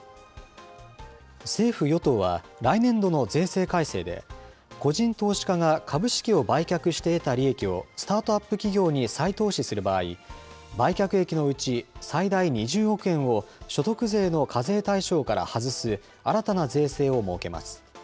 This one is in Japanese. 政府・与党は来年度の税制改正で、個人投資家が株式を売却して得た利益をスタートアップ企業に再投資する場合、売却益のうち最大２０億円を、所得税の課税対象から外す新たな税制を設けます。